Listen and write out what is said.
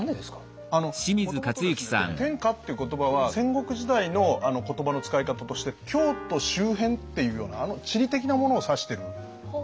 もともとですね「天下」っていう言葉は戦国時代の言葉の使い方として京都周辺っていうような地理的なものを指してる場合が多いんです。